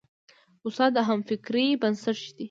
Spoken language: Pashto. استاد د همفکرۍ بنسټ ږدي.